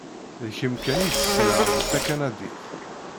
D kemm kan i ssneɣ d takanadit.